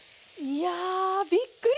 いやびっくり！